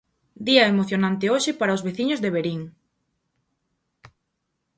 Día emocionante hoxe para os veciños de Verín.